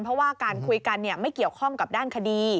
เพราะว่าการคุยกันไม่เกี่ยวข้องกับด้านคดี